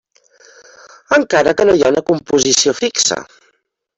Encara que no hi ha una composició fixa.